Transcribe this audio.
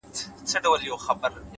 لوړ اخلاق تل روښانه پاتې کېږي!